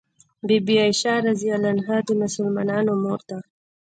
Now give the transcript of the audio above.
بي بي عائشه رض د مسلمانانو مور ده